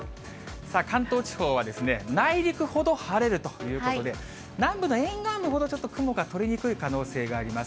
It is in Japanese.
さあ、関東地方はですね、内陸ほど晴れるということで、南部の沿岸部ほど、ちょっと雲が取れにくい可能性があります。